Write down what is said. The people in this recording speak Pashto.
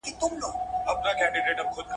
د لویدیځ تمدن علومو وده کړې.